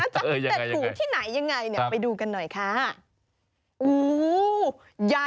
แต่ถูกที่ไหนยังไงไปดูกันหน่อยค่ะไม่รู้ที่ทำยังไง